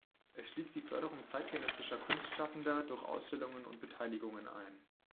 Es schließt die Förderung zeitgenössischer Kunstschaffender durch Ausstellungen und Beteiligungen ein.